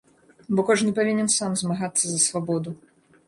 Бо кожны павінен сам змагацца за свабоду.